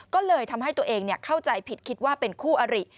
ก็เลยทำให้ตัวเองเข้าใจผิดคิดว่าเป็นคู่อริ